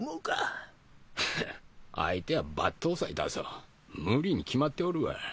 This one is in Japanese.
ふん相手は抜刀斎だぞ。無理に決まっておるわ。